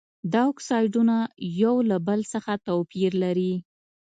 دا اکسایدونه یو له بل څخه توپیر لري.